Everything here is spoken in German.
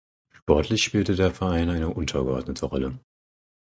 Sportlich spielte der Verein eine untergeordnete Rolle.